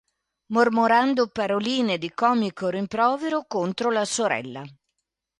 Mormorando paroline di comico rimprovero contro la sorella.